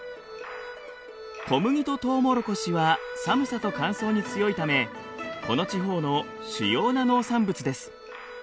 小麦とトウモロコシは寒さと乾燥に強いためこの地方の主要な農産物です。